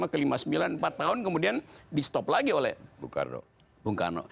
lima ke lima puluh sembilan empat tahun kemudian di stop lagi oleh bung karno